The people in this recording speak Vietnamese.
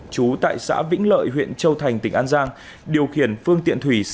trú tại xã vĩnh lợi huyện châu thành tỉnh an giang điều khiển phương tiện thủy